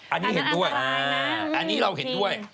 อันนี้เห็นด้วยอันนี้เราเห็นด้วย